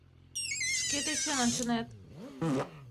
— Шке тӧчен ончынет?